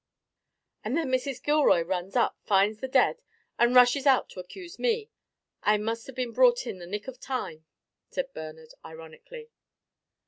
"And then Mrs. Gilroy runs up, finds the dead, and rushes out to accuse me. I must have been brought in the nick of time," said Bernard, ironically.